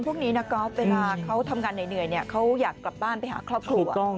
พวกนี้ก็เวลาเค้าทำงานเหนื่อยเนี่ยเค้าอยากกลับบ้านไปหาครอบครัวต้อง